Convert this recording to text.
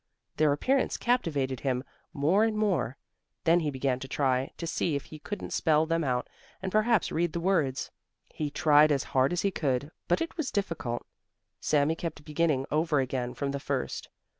Their appearance captivated him more and more. Then he began to try to see if he couldn't spell them out and perhaps read the words. He tried as hard as he could, but it was difficult. Sami kept beginning over again from the first.